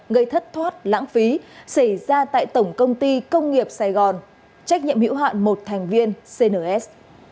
gây thất thoát lãng phí xảy ra tại tổng công ty công nghiệp sài gòn trách nhiệm hữu hạn một thành viên cns